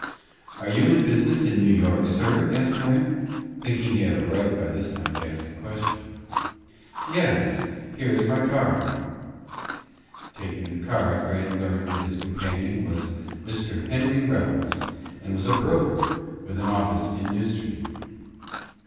"Are you in business in New York, sir?" asked Grant, thinking he had a right by this time to ask a question. "Yes; here is my card." Taking the card, Grant learned that his companion was Mr. Henry Reynolds and was a broker, with an office in New Street.